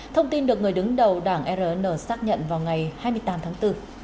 thông tin được người đứng đầu đảng rn xác nhận vào ngày hai mươi tám tháng bốn